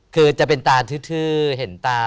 โปรดติดตามต่อไป